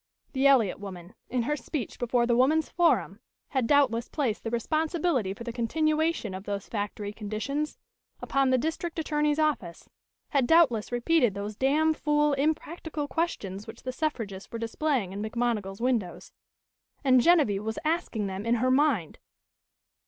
The Eliot woman, in her speech before the Woman's Forum, had doubtless placed the responsibility for the continuation of those factory conditions upon the district attorney's office, had doubtless repeated those damn fool, impractical questions which the suffragists were displaying in McMonigal's windows. And Genevieve was asking them in her mind!